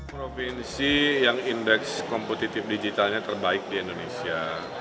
provinsi yang indeks kompetitif digitalnya terbaik di indonesia